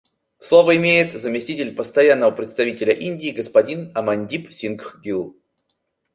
Слово имеет заместитель Постоянного представителя Индии господин Амандип Сингх Гилл.